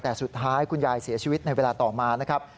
แต่สุดท้ายคุณยายเสียชีวิตในเวลาต่อมานะครับ